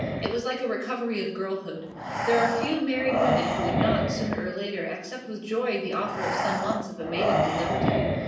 It was like a recovery of girlhood. There are few married women who would not, sooner or later, accept with joy the offer of some months of a maidenly liberty.